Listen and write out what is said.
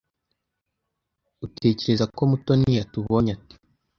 Utekereza ko Mutoni yatubonye ate?